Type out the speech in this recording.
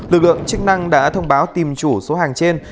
lực lượng chức năng đã thông báo tìm chủ số hàng trên